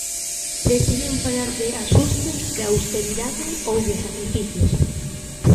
Prefiren falar de "axustes", de "austeridade" ou de "sacrificios".